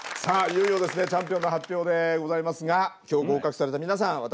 さあいよいよですねチャンピオンの発表でございますが今日合格された皆さん